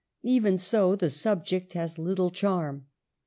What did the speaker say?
Even so, the subject has little charm.